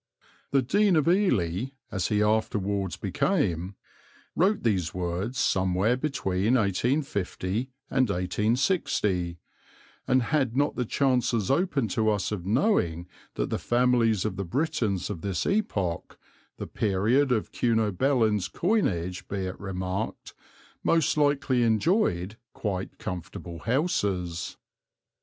The Dean of Ely, as he afterwards became, wrote these words somewhere between 1850 and 1860, and had not the chances open to us of knowing that the families of the Britons of this epoch, the period of Cunobelin's coinage be it remarked, most likely enjoyed quite comfortable houses.